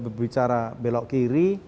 berbicara belok kiri